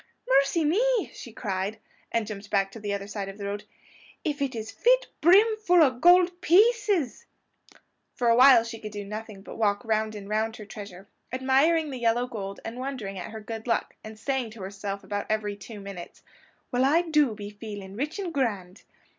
"Mercy me!" she cried, and jumped back to the other side of the road; "if it is fit brim full o' gold PIECES!!" For a while she could do nothing but walk round and round her treasure, admiring the yellow gold and wondering at her good luck, and saying to herself about every two minutes, "Well, I do be feeling rich and grand!"